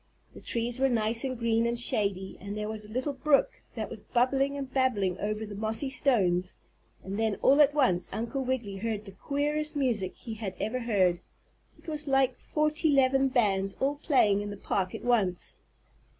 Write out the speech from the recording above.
The trees were nice and green and shady, and there was a little brook that was bubbling and babbling over the mossy stones and then all at once Uncle Wiggily heard the queerest music he had ever heard. It was like forty 'leven bands all playing in the park at once.